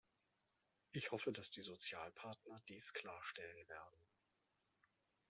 Ich hoffe, dass die Sozialpartner dies klarstellen werden.